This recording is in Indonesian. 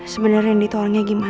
sebenernya randy itu orangnya gimana